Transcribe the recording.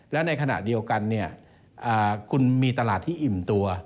และในขณะเดียวกันคุณมีตลาดที่อิ่มตัว